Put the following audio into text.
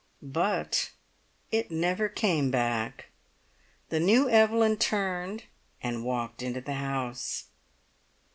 But it never came back. The new Evelyn turned and walked into the house.